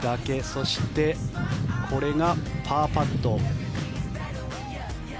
そして、これがパーパット。